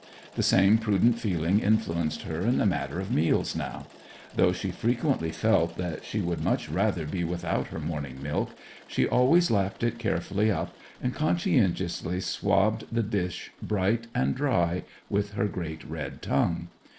The same prudent feeling influenced her in the matter of meals now. Though she frequently felt that she would much rather be without her morning milk, she always lapped it carefully up, and conscientiously swabbed the dish bright and dry with her great red tongue.